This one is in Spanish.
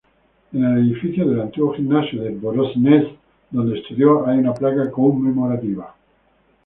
En el edificio del antiguo gimnasio de Vorónezh donde estudió hay una placa conmemorativa.